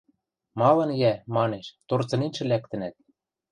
– Малын, йӓ, – манеш, – торцынетшӹ лӓктӹнӓт?